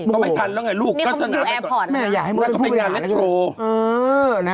ก็ไม่ทันแล้วไงลูกก็สนามได้ก่อนมันก็ไปงานเล็กโทรนี่เขาดูแอร์พอร์ตแล้ว